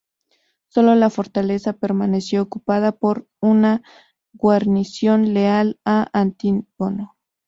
Sólo la fortaleza permaneció ocupada por una guarnición leal a Antígono.